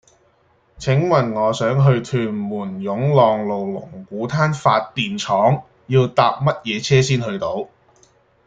請問我想去屯門湧浪路龍鼓灘發電廠要搭乜嘢車先去到